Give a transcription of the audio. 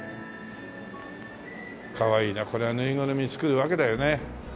かわいいな。こりゃぬいぐるみ作るわけだよね。